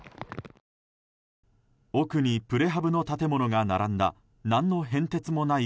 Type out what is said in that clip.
奥にプレハブの建物が並んだ何の変哲もない